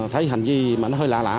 thấy hành vi mà nó hơi lạ lạ